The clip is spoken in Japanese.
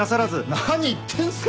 何言ってんすか。